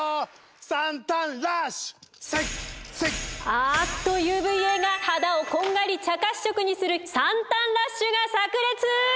あっとＵＶーＡが肌をこんがり茶褐色にするサンタンラッシュがさく裂！